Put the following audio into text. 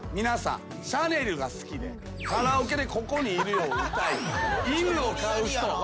皆さんシャネルが好きでカラオケで『ここにいるよ』を歌い犬を飼う人。